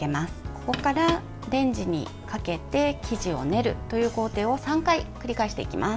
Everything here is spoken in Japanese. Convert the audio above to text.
ここからレンジにかけて生地を練るという工程を３回繰り返していきます。